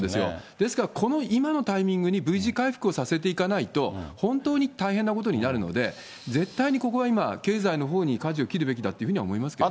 ですから、この今のタイミングにＶ字回復をさせていかないと、本当に大変なことになるので、絶対にここは今、経済のほうにかじを切るべきだというふうに思いますけどね。